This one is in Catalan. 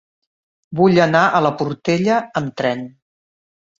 Vull anar a la Portella amb tren.